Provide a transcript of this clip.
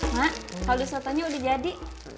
mak halus sotonya udah jadi